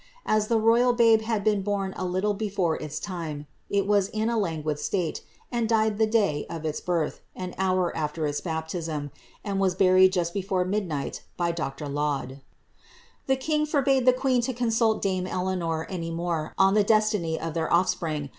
As the royal babe haa '<. been born a little before its time, it was in a languid state, and died th^ lisy of its birth, an hour after its baptism, and was buried just before niKlnighL» by Dr. Laud. The king forbade the queen to consult dame Eleanor any more on tlie destiny of their offtpring.